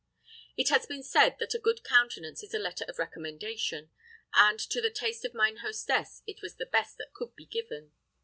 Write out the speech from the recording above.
It has been said that a good countenance is a letter of recommendation, and to the taste of mine hostess it was the best that could be given.